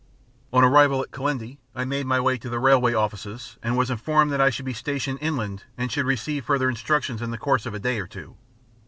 On arrival at Kilindini, I made my way to the railway Offices and was informed that I should be stationed inland and should receive further instructions in the course of a day or two.